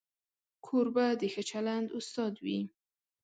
کوربه د ښه چلند استاد وي.